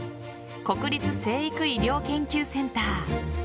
国立成育医療研究センター。